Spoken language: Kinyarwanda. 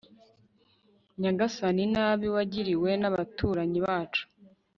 nyagasani, inabi wagiriwe n'abaturanyi bacu